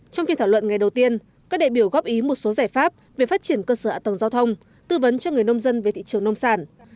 trong phiên thảo luận ngày đầu tiên các đại biểu góp ý một số giải pháp về phát triển cơ sở ạ tầng giao thông tư vấn cho người nông dân về thị trường nông sản